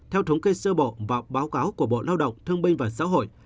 theo thống kê sơ bộ và báo cáo của bộ lao động thương binh và xã hội